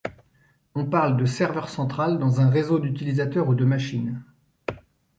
On parle de serveur central dans un réseau d'utilisateurs ou de machines.